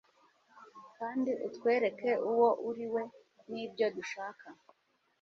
Kandi utwereke uwo uriwe nibyo dushaka